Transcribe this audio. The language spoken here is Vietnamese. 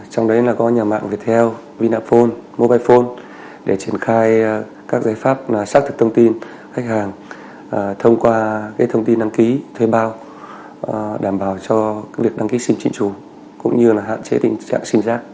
theo vinaphone mobilephone để triển khai các giải pháp xác thực thông tin khách hàng thông qua cái thông tin đăng ký thuê bao đảm bảo cho việc đăng ký sinh trị chủ cũng như là hạn chế tình trạng sinh giác